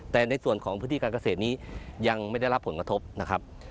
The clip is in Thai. แต่ในส่วนของพื้นที่การเกษตรนี้ยังไม่ได้รับผลกระทบนะครับ